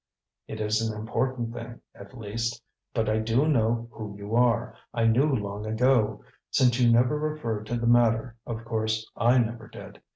"It is an important thing, at least. But I do know who you are; I knew long ago. Since you never referred to the matter, of course I never did.